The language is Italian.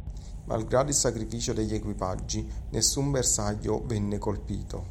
Malgrado il sacrificio degli equipaggi, nessun bersaglio venne colpito.